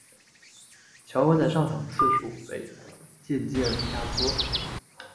乔恩的上场次数渐渐被压缩。